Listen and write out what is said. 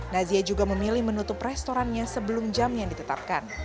nazia juga memilih menutup restorannya sebelum jam yang ditetapkan